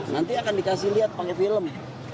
nanti akan dikasih lihat pake film